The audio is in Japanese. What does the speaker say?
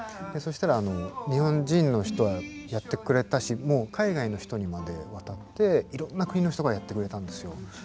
そしたら日本人の人はやってくれたしもう海外の人にまで渡っていろんな国の人がやってくれたんですよ。